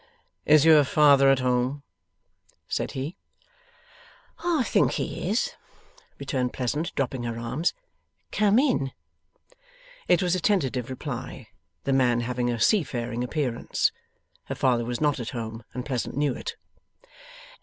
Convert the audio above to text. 'Is your father at home?' said he. 'I think he is,' returned Pleasant, dropping her arms; 'come in.' It was a tentative reply, the man having a seafaring appearance. Her father was not at home, and Pleasant knew it.